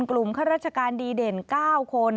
ข้าราชการดีเด่น๙คน